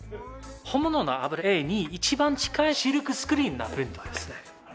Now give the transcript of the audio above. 本物の油絵に一番近いシルクスクリーンなペイントですね。